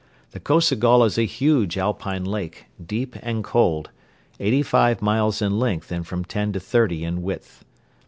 The Kosogol is a huge Alpine lake, deep and cold, eighty five miles in length and from ten to thirty in width.